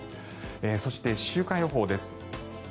そして、週間予報です。